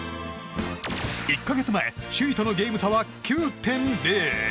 １か月前首位とのゲーム差は９．０。